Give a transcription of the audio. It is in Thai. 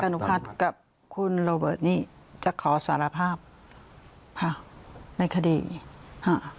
นุพัฒน์กับคุณโรเบิร์ตนี่จะขอสารภาพค่ะในคดีอ่า